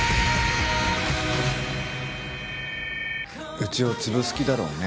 うちを潰す気だろうね。